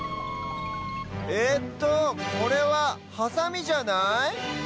えっとこれはハサミじゃない？